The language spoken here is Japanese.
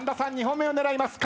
２本目を狙います。